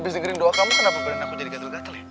abis dengerin doa kamu kenapa beneran aku jadi gatel gatel ya